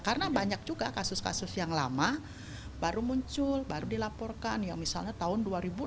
karena banyak juga kasus kasus yang lama baru muncul baru dilaporkan yang misalnya tahun dua ribu enam belas